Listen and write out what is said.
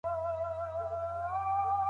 سجاد وایي چې پیل کې خلک حېران وو.